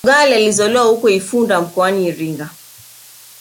Mfugale alizaliwa huko Ifunda mkoani Iringa